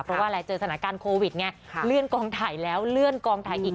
เพราะว่าอะไรเจอสถานการณ์โควิดไงเลื่อนกองถ่ายแล้วเลื่อนกองถ่ายอีก